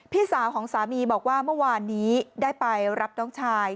พี่สาวของสามีบอกว่าเมื่อวานนี้ได้ไปรับน้องชาย